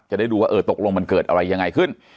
จะได้ดูว่าเออตกลงมันเกิดอะไรยังไงขึ้น